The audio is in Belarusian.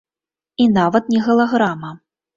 І нават не галаграма.